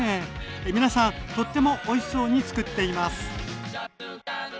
皆さんとってもおいしそうにつくっています。